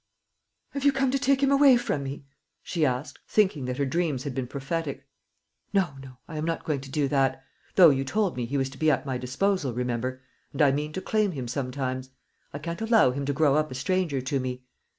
"Have you come to take him away from me?" she asked, thinking that her dreams had been prophetic. "No, no, I am not going to do that; though you told me he was to be at my disposal, remember, and I mean to claim him sometimes. I can't allow him to grow up a stranger to me.